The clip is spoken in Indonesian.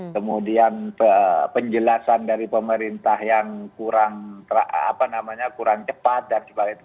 kemudian penjelasan dari pemerintah yang kurang cepat dan sebagainya